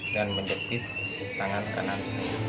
dan menjepit tangan kanan